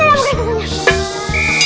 mana nyamuk raksasanya